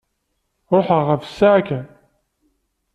Ruḥeɣ ɣef ssaɛa kan.